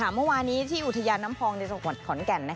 เมื่อวานี้ที่อุทยานน้ำพองในจังหวัดขอนแก่น